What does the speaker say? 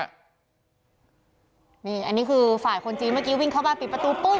อันนี้คือฝ่ายคนจีนเมื่อกี้วิ่งเข้าบ้านปิดประตูปุ๊